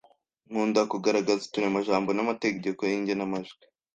Nkunda ku ngaragaza uturemajamo n’amategeko y’igenamajwi